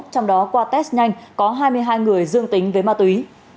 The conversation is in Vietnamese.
trong đó qua test nhanh có hai mươi hai người dương tính với ma túy